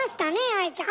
愛ちゃん。